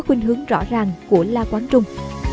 khuyên hướng rõ ràng của la quang trung